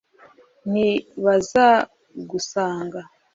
ntibazagusanga